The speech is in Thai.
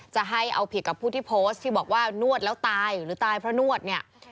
จะให้เอาผิดกับผู้ที่โพสต์ที่บอกว่านวดแล้วตายหรือตายเพราะนวดเนี่ย